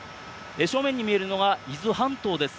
正面に見えるのが伊豆半島です。